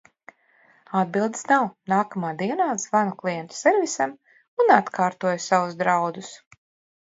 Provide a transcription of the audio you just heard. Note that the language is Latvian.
Atbildes nav. Nākamā dienā zvanu klientu servisam un atkārtoju savus draudus.